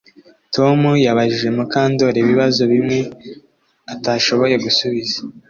Tom yabajije Mukandoli ibibazo bimwe atashoboye gusubiza